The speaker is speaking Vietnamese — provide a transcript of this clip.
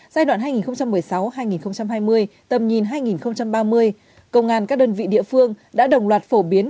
giai đoạn hai nghìn một mươi sáu hai nghìn hai mươi tầm nhìn hai nghìn ba mươi công an các đơn vị địa phương đã đồng loạt phổ biến